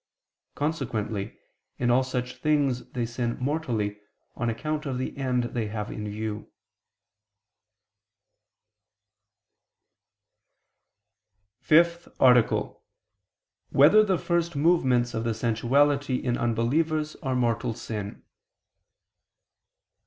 Consequently in all such things they sin mortally, on account of the end they have in view. ________________________ FIFTH ARTICLE [I II, Q. 89, Art. 5] Whether the First Movements of the Sensuality in Unbelievers Are Mortal Sin?